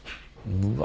うわ。